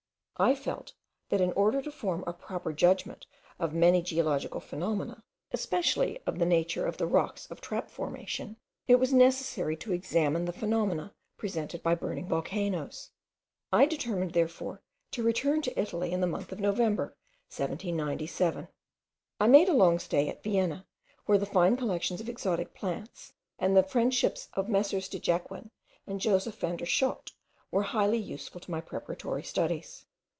I felt, that in order to form a proper judgment of many geological phenomena, especially of the nature of the rocks of trap formation, it was necessary to examine the phenomena presented by burning volcanoes. I determined therefore to return to Italy in the month of November, 1797. I made a long stay at Vienna, where the fine collections of exotic plants, and the friendship of Messrs. de Jacquin, and Joseph van der Schott, were highly useful to my preparatory studies.